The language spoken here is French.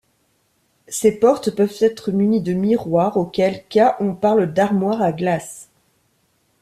Ses portes peuvent être munies de miroirs, auquel cas on parle d'armoire à glace.